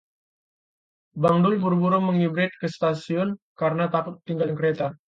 Bang Dul buru-buru mengibrit ke stasiun karena takut ketinggalan kereta